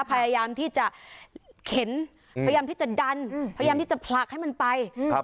พยายามที่จะเข็นพยายามที่จะดันพยายามที่จะผลักให้มันไปครับ